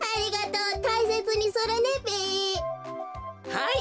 はい！